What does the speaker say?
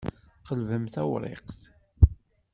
Qelbem tawṛiqt.